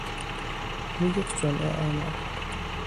او یک جمعه آمد.